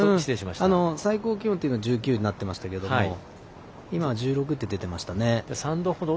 最高気温というのは１９になってましたけども今は１６度と出ていましたね。